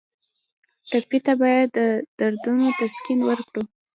ټپي ته باید د دردونو تسکین ورکړو.